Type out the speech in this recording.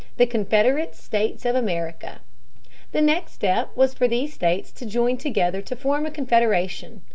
The "Confederate States of America." The next step was for these states to join together to form a confederation.